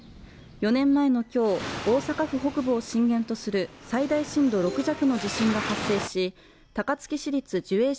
４年前の今日、大阪府北部を震源とする最大震度６弱の地震が発生し、高槻市立寿栄